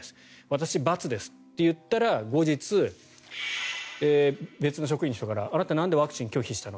私×ですといったら、後日別の職員の人からあなたなんでワクチン拒否したの？